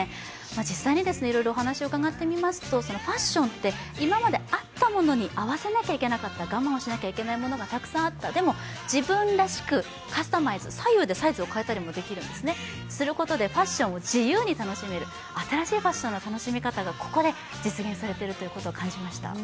実際にお話を伺ってみますとファッションって今まで合ったものに合わせなきゃいけなかった、でも自分らしくカスタマイズ、左右でサイズを変えたりもできるんですね、そうすることで自由に楽しめる、新しいファッションの楽しみ方がここで実現されていると感じました。